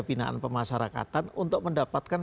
pinaan pemasarakatan untuk mendapatkan